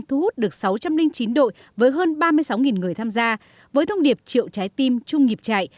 thu hút được sáu trăm linh chín đội với hơn ba mươi sáu người tham gia với thông điệp triệu trái tim trung nghiệp chạy